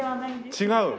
違う。